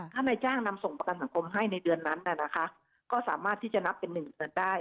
ถ้านายจ้างนำส่งประกันสังคมให้ในเดือนนั้นนะคะก็สามารถที่จะนับเป็นหนึ่งเดือนได้